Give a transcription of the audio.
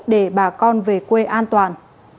để bà con về quê an toàn